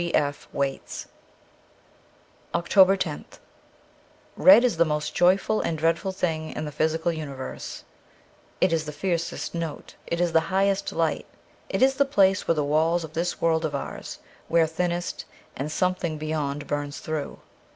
*G. F. Waits.' 315 OCTOBER loth RED is the most joyful and dreadful thing in the physical universe ; it is the fiercest note, it is the highest light, it is the place where the walls of this world of ours wear thinnest and something beyond burns through.